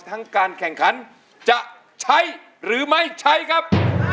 ทั้งการแข่งขันจะใช้หรือไม่ใช้ครับ